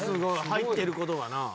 入ってることがな。